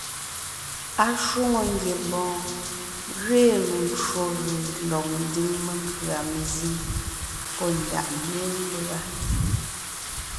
Ashwòŋo ngiembɔɔn gẅiin mencwò gʉ̀ lɔg ńdiŋ menkʉ̀a mezíŋ pɔ́ ndàʼ mémbʉa.